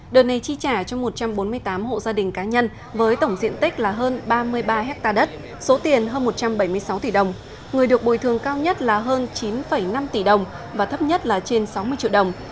đợt này chi trả cho một trăm bốn mươi tám hộ gia đình cá nhân với tổng diện tích là hơn ba mươi ba hectare đất số tiền hơn một trăm bảy mươi sáu tỷ đồng người được bồi thường cao nhất là hơn chín năm tỷ đồng và thấp nhất là trên sáu mươi triệu đồng